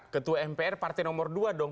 ketua mpr partai nomor dua dong